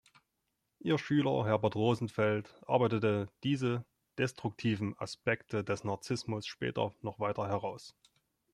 Ihr Schüler Herbert Rosenfeld arbeitete diese destruktiven Aspekte des Narzissmus später noch weiter heraus.